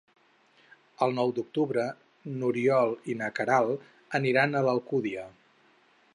El nou d'octubre n'Oriol i na Queralt aniran a l'Alcúdia.